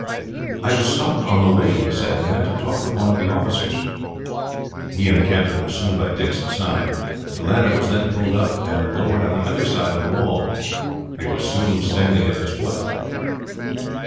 "I was stopped on the way," he said, "and had to talk with one of the officers." He and the captain were soon by Dick's side. The ladder was then pulled up, and lowered on the other side of the wall. They were soon standing at its foot.